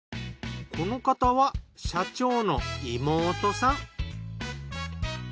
この方は社長の妹さん。